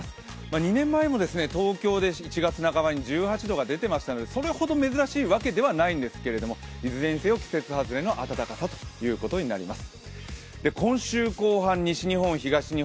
２年前も東京で１月半ばに１８度が出ていましたのでそれほど珍しいわけではないんですけれども、いずれにせよ季節外れの暖かさということになります。